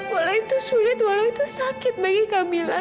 walau itu sulit walau itu sakit bagi kamila